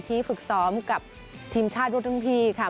ที่ฝึกซ้อมกับทีมชาติรุ่นทั้งพี่ค่ะ